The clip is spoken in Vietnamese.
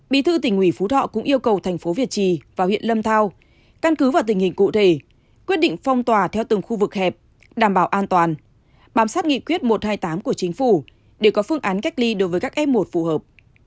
bí thư tỉnh ủy phú thọ cũng yêu cầu thành phố việt trì và huyện lâm thao căn cứ vào tình hình cụ thể quyết định phong tỏa theo từng khu vực hẹp đảm bảo an toàn bám sát nghị quyết một trăm hai mươi tám của chính phủ để có phương án cách ly đối với các f một phù hợp